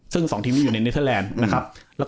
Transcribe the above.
ซึ่ง๒ทีมนี้อยู่ในเนเทอร์แลนด์นะครับ